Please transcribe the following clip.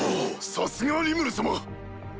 さすがリムル様！